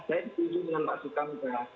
saya dipilih dengan pak sukamka